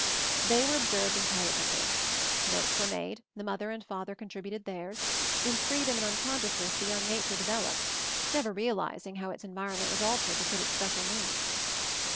They were observed intelligently. Notes were made, the mother and father con tributed theirs ; in freedom and unconscious ness the young nature developed, never realizing how its environment was altered to fit its special needs.